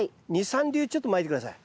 ２３粒ちょっとまいて下さい。